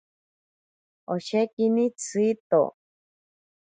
Oshekini tsiito.